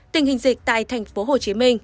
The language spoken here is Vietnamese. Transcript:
tình hình dịch tại thành phố hồ chí minh